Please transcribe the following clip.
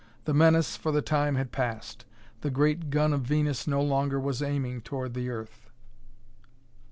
The menace, for the time, had passed; the great gun of Venus no longer was aiming toward the earth.